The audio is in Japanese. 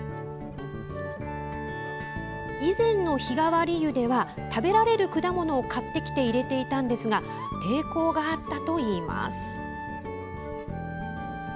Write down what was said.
以前の日替わり湯では食べられる果物を買ってきて入れていたんですが抵抗があったといいます。